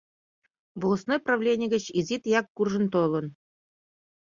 Волостной правлений гыч изи тияк куржын толын: